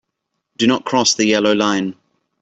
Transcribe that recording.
Do not cross the yellow line.